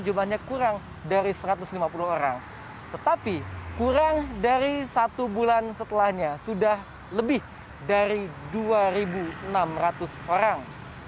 jumlahnya kurang dari satu ratus lima puluh orang tetapi kurang dari satu bulan setelahnya sudah lebih dari dua enam ratus orang